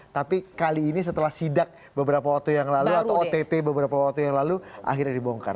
tapi kali ini setelah sidak beberapa waktu yang lalu atau ott beberapa waktu yang lalu akhirnya dibongkar